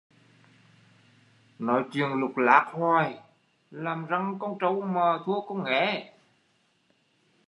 Nói chuyện lục lác hoài, làm răng con trâu mà thua con nghé